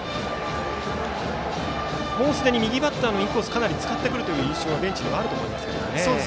すでに右バッターのインコースをかなり使ってくる印象はベンチにあると思いますよね。